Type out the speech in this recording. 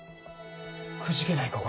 「くじけない心」。